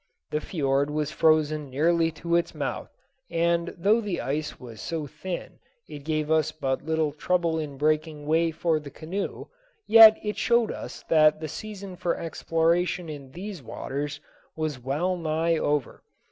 The fiord was frozen nearly to its mouth, and though the ice was so thin it gave us but little trouble in breaking a way for the canoe, yet it showed us that the season for exploration in these waters was well nigh over.